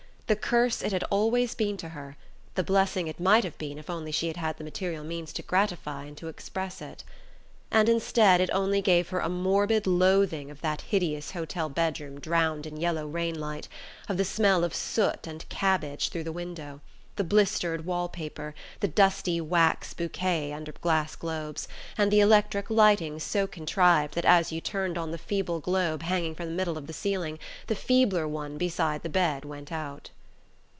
the curse it had always been to her, the blessing it might have been if only she had had the material means to gratify and to express it! And instead, it only gave her a morbid loathing of that hideous hotel bedroom drowned in yellow rain light, of the smell of soot and cabbage through the window, the blistered wall paper, the dusty wax bouquets under glass globes, and the electric lighting so contrived that as you turned on the feeble globe hanging from the middle of the ceiling the feebler one beside the bed went out!